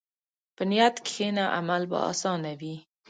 په نیت کښېنه، عمل به اسانه وي.